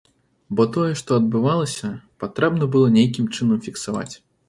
Бо тое, што адбывалася, патрэбна было нейкім чынам фіксаваць.